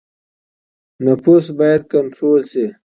نفوس بايد کنټرول سي.